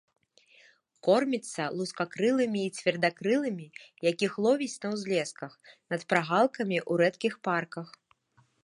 Корміцца лускакрылымі і цвердакрылымі, якіх ловіць на ўзлесках, над прагалкамі, у рэдкіх парках.